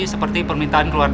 seperti permintaan keluarga